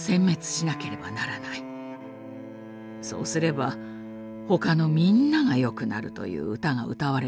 そうすれば他のみんながよくなるという歌が歌われているようです。